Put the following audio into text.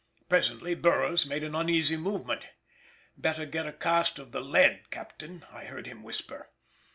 Presently Burroughs made an uneasy movement—"Better get a cast of the lead, Captain," I heard him whisper.